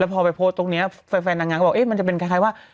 พอไปโพสต์ตรงนี้แฟนนางงามก็บอกมันจะเป็นคล้ายว่า